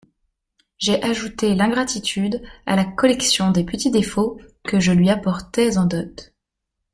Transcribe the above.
J'ai ajouté l'ingratitude à la collection des petits défauts que je lui apportais en dot.